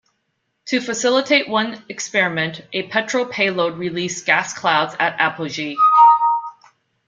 To facilitate one experiment, a Petrel payload released gas clouds at apogee.